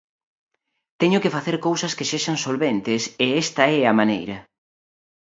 Teño que facer cousas que sexan solventes e esta é a maneira.